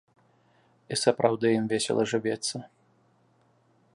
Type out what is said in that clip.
І сапраўды ім весела жывецца.